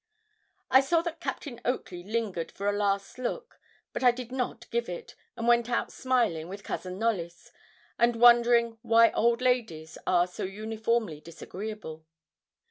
I saw that Captain Oakley lingered for a last look, but I did not give it, and went out smiling with Cousin Knollys, and wondering why old ladies are so uniformly disagreeable.